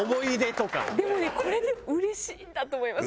でもねこれでもうれしいんだと思います